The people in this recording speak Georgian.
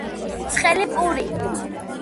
ცხელი პური